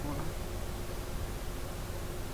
আমি আপনার বা আপনার পর অন্য কারো পক্ষ থেকে সে কাজ করব না।